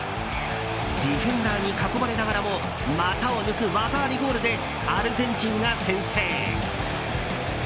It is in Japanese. ディフェンダーに囲まれながらも股を抜く技ありゴールでアルゼンチンが先制。